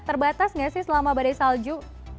terbatas nggak sih selama badai salju